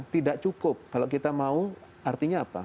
tidak cukup kalau kita mau artinya apa